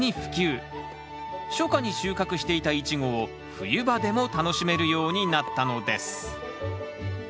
初夏に収穫していたイチゴを冬場でも楽しめるようになったのです。